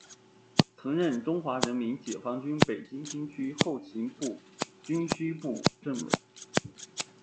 曾任中国人民解放军北京军区后勤部军需部政委。